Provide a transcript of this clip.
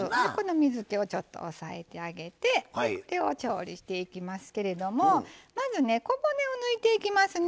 水けを抑えてあげて調理していきますけれどもまず、小骨を抜いていきますね。